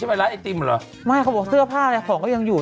ไปร้านไอติมเหรอไม่เขาบอกเสื้อผ้าเนี้ยของก็ยังอยู่